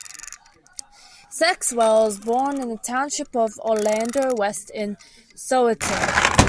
Sexwale was born in the township of Orlando West, in Soweto.